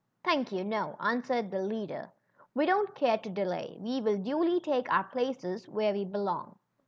Thank you, no," answered the leader. ^ We don't care to delay. We will duly take our places where we belong.